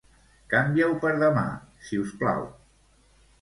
Canvia-ho per demà, siusplau.